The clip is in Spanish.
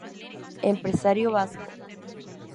Empresario vasco.